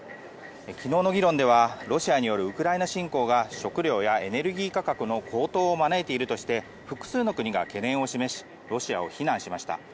昨日の議論ではロシアによるウクライナ侵攻が食料やエネルギー価格の高騰を招いているとして複数の国が懸念を示しロシアを非難しました。